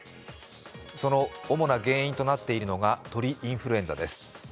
その主な原因となっているのが鳥インフルエンザです。